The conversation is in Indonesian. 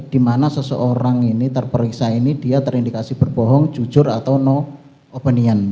di mana seseorang ini terperiksa ini dia terindikasi berbohong jujur atau no opinion